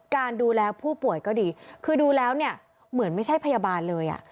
การดูแลผู้ป่วยก็ดีคือดูแล้วเหมือนไม่ใช่พยาบาลเลย